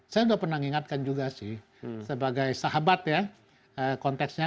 saya sudah pernah mengingatkan juga sih sebagai sahabat ya konteksnya